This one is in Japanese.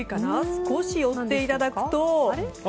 少し寄っていただくと。